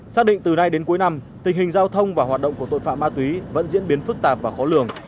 xác định từ nay đến cuối năm tình hình giao thông và hoạt động của tội phạm ma túy vẫn diễn biến phức tạp và khó lường